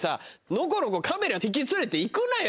ノコノコカメラ引き連れて行くなよ